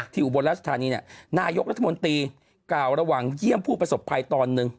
อุบลราชธานีนายกรัฐมนตรีกล่าวระหว่างเยี่ยมผู้ประสบภัยตอนหนึ่ง